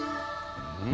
うん？